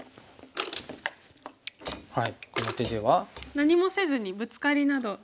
何もせずにブツカリなど。